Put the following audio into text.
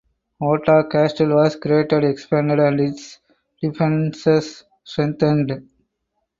Oda Castle was greatly expanded and its defenses strengthened.